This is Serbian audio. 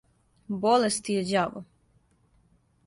Болест је ђаво.